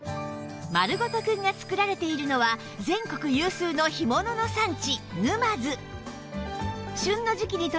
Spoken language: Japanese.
まるごとくんが作られているのは全国有数の干物の産地沼津